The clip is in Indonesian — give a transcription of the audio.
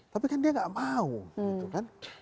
tapi kan dia nggak mau gitu kan